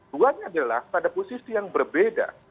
duanya adalah pada posisi yang berbeda